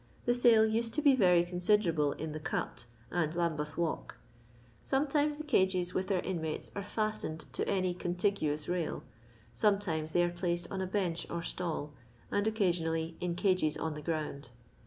The sale used to be very considerable in the Cut" and Lambeth walk. Sometimea the cages with their inmates'are fostened to any contiguous rail ; some times they are placed on a bench or stall ; and occasionally in cages on the ground.